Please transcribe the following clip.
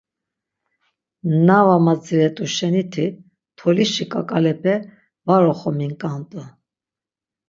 Na var madziret̆u şeniti tolişi ǩaǩalepe var oxominǩant̆u.